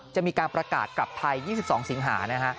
จะมีการประกาศกลับไทย๒๒สิงหานะฮะ